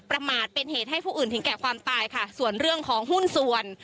ประมาทเป็นเหตุให้ผู้อื่นถึงแก่ความตายค่ะส่วนเรื่องของหุ้นส่วน